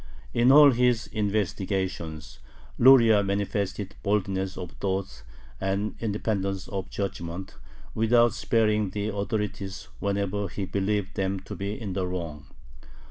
In all his investigations Luria manifested boldness of thought and independence of judgment, without sparing the authorities whenever he believed them to be in the wrong.